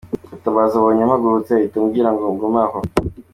Gatabazi abonye mpagurutse ahita ambwira ngo ngume aho.